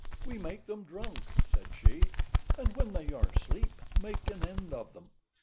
"We make them drunk," said she, "and when they are asleep, make an end of them."